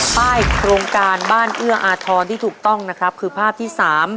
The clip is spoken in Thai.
ป้ายโครงการบ้านเอื้ออาทรที่ถูกต้องนะครับคือภาพที่๓